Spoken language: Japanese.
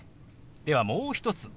ではもう一つ。